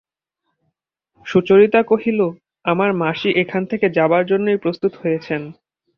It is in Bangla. সুচরিতা কহিল, আমার মাসি এখান থেকে যাবার জন্যেই প্রস্তুত হয়েছেন।